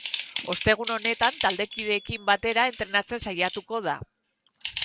Ostegun honetan taldekideekin batera entrenatzen saiatuko da.